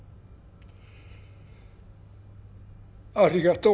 ありがとう